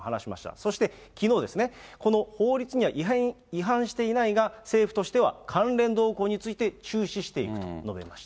そしてきのうですね、この法律には違反していないが、政府としては関連動向について注視していくと述べました。